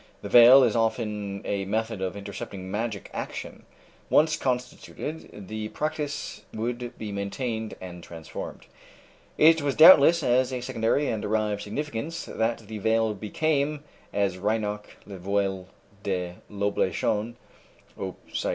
The veil is often a method of intercepting magic action. Once constituted, the practice would be maintained and transformed." It was doubtless as a secondary and derived significance that the veil became, as Reinach ("Le Voile de l'Oblation," op. cit.